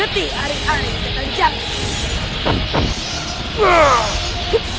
keti arik arik setan jangki